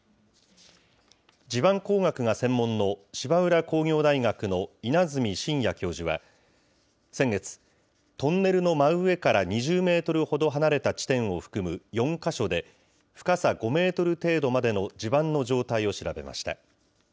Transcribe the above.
地盤工学が専門の芝浦工業大学の稲積真哉教授は、先月、トンネルの真上から２０メートルほど離れた地点を含む４か所で、深さ５メートル程度までの地盤の状態を調べました。